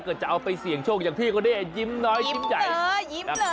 ก็จะเอาไปเสี่ยงโชคอย่างพี่ก็ได้ยิ้มน้อยยิ้มใหญ่